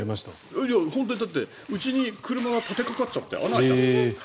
だって、うちに車が立てかかっちゃって穴が開いた。